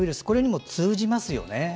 これにも通じますよね。